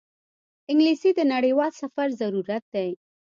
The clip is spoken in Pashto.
انګلیسي د نړیوال سفر ضرورت دی